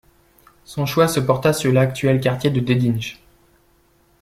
Son choix se porta sur l'actuel quartier de Dedinje.